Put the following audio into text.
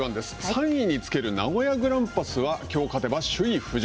３位につける名古屋グランパスはきょう勝てば首位浮上。